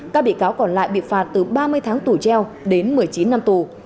các bị cáo còn lại bị phạt từ ba mươi tháng tù treo đến một mươi chín năm tù